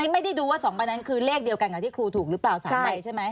ไม่ได้ดูว่า๒ใบนั้นคือเลขเดียวกันกับที่ครูถูกหรือเปล่า๓ใบใช่ไหม